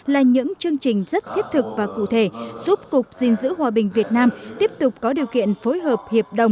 là những chương trình rất thiết thực và cụ thể giúp cục diện giữ hòa bình việt nam tiếp tục có điều kiện phối hợp